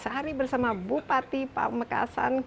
sehari bersama bupati pamekasan